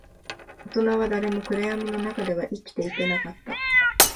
大人は誰も暗闇の中では生きていけなかった